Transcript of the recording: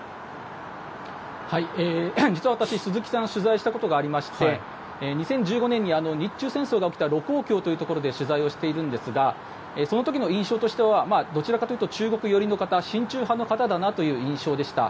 実は私、鈴木さんを取材したことがありまして２０１５年に日中戦争が起きた盧溝橋というところで取材をしているんですがその時の印象としてはどちらかというと中国寄りの方親中派の方だなという印象でした。